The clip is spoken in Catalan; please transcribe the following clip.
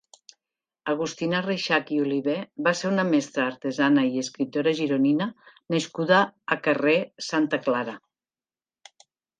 Agustina Reixach i Oliver va ser una mestra, artesana i escriptora gironina nascuda a Carrer Santa Clara.